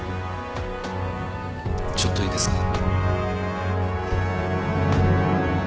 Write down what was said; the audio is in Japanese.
ちょっといいですか？